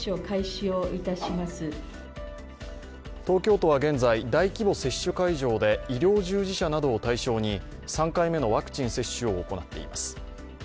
東京都は現在、大規模接種会場で医療従事者などを対象に３回目のワクチン接種を行っています。